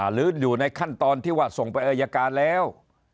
หรืออยู่ในขั้นตอนที่ว่าส่งไปอายการแล้ว